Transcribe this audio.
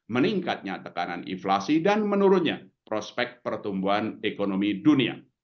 meningkatnya tekanan inflasi dan menurunnya prospek pertumbuhan ekonomi dunia